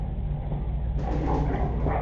সবটুকু দুধ খেয়ে ফেলেছেন।